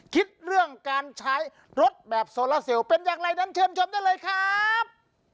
คิดเรื่องการใช้รถแบบโซลาเซลเป็นอย่างไรนั้นเชิญชมได้เลยครับ